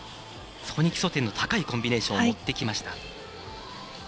そこに基礎点の高いコンビネーションを持ってきました。